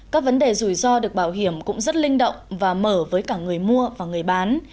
các vấn đề rủi ro được bảo hiểm cũng rất linh động và mở với cả người mua và người bán